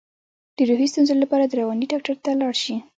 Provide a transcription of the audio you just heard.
د روحي ستونزو لپاره د رواني ډاکټر ته لاړ شئ